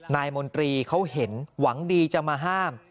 มนตรีเขาเห็นหวังดีจะมาห้าม